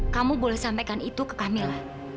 kamu boleh sampaikan itu ke kamila